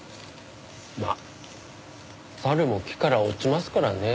まあ猿も木から落ちますからね。